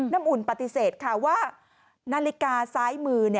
อุ่นปฏิเสธค่ะว่านาฬิกาซ้ายมือ